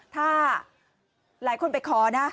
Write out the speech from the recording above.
ถ้าหลายคนไปขอนะ